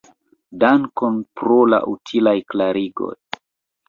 Dankon pro la utilaj klarigoj.